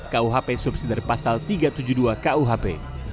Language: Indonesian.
kuhp subsidi pasal tiga ratus tujuh puluh dua kuhp